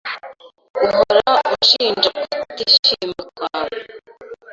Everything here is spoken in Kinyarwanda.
Uhora unshinja kutishima kwawe.